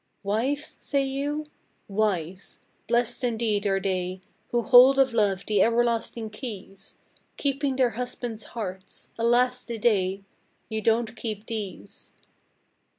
Wives, say you? Wives! Blessed indeed are they Who hold of love the everlasting keys, Keeping their husbands' hearts! Alas the day! You don't keep these!